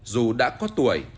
dù đã có tuổi